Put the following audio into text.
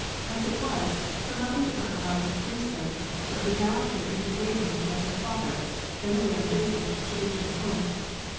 As it was, her mother would not allow her to do so, but beguiled her into waiting till her father, then away on business, should return home.